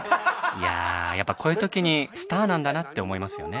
いやあやっぱこういう時にスターなんだなって思いますよね。